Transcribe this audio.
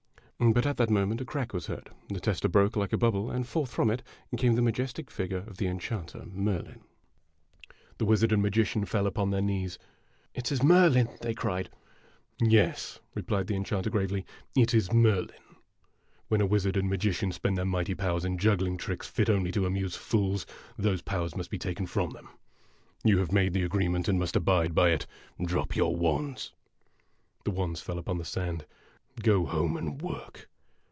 But at that moment, "a crack was heard. The tester broke like a bubble, and forth from it came the majestic figure of the enchanter Merlin. THE MAGICIAN AND THE WIZARD GO HOME. The wizard and magician fell upon their knees. " It is Merlin !" they cried. " Yes," replied the enchanter, gravely, " it is Merlin. When a wizard and magician spend their mighty powers in juggling tricks fit only to amuse fools, those powers must be taken from them. A DUEL IN A DESERT 51 You have made the agreement, and must abide by it. Drop your wands !' The wands fell upon the sand. " Go home, and work